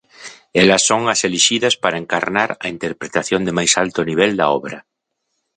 Elas son as elixidas para encarnar a interpretación de máis alto nivel da obra.